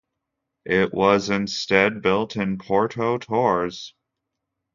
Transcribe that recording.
It was instead built in Porto Torres.